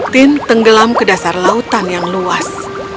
tim tenggelam ke dasar lautan yang luas